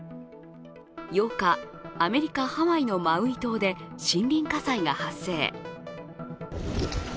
８日、アメリカ・ハワイのマウイ島で森林火災が発生。